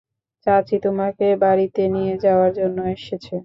চাচি তোমাকে বাড়িতে নিয়ে যাওয়ার জন্য এসেছে।